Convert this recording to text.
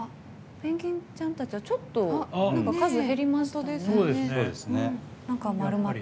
ペンギンちゃんたちはちょっと数減りましたね。